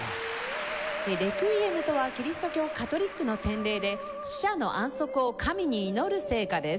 レクイエムとはキリスト教カトリックの典礼で死者の安息を神に祈る聖歌です。